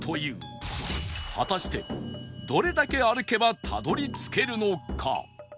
果たしてどれだけ歩けばたどり着けるのか？